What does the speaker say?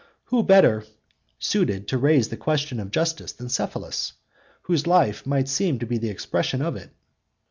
Who better suited to raise the question of justice than Cephalus, whose life might seem to be the expression of it?